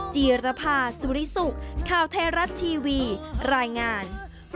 จีรภาสุริสุขข้าวเทราสตร์ทีวีรายงาน